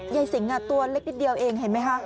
สิงห์ตัวเล็กนิดเดียวเองเห็นไหมคะ